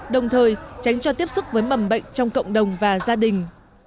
đồng thời tránh cho tiếp xúc với mầm bệnh trong cộng đồng và gia đình